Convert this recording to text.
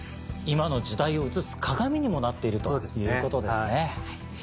今の時代を映す鏡にもなっているということですね。